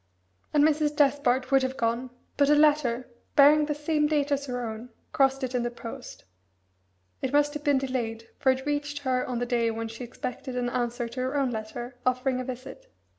And Mrs. Despard would have gone, but a letter, bearing the same date as her own, crossed it in the post; it must have been delayed, for it reached her on the day when she expected an answer to her own letter, offering a visit.